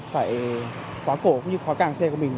phải khóa cổ cũng như khóa càng xe của mình